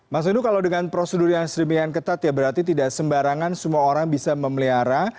mas wendu kalau dengan prosedur yang sedemikian ketat ya berarti tidak sembarangan semua orang bisa memelihara